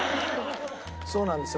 そうなんですよ。